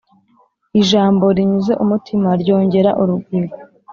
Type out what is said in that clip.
ijambo rinyuze umutima ryongera urugwiro